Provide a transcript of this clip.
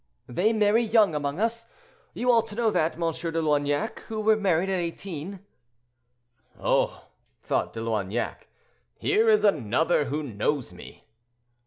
"They marry young among us; you ought to know that, M. de Loignac, who were married at eighteen." "Oh!" thought De Loignac, "here is another who knows me."